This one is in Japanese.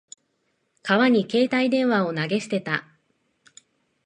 川に携帯電話を投げ捨てた。